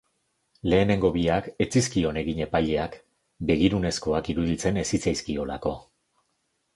Lehenengo biak ez zizkion egin epaileak, begirunezkoak iruditzen ez zitzaizkiolako.